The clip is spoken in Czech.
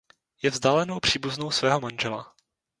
Je vzdálenou příbuznou svého manžela.